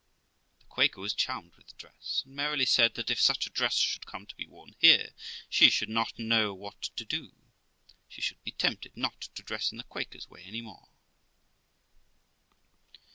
The Quaker was charmed with the dress, and merrily said that, if such a dress should come to be worn here, she should not know 340 THE LIFE OF ROXANA what to do 5 she should be tempted not to dress in the Quaker's way any more.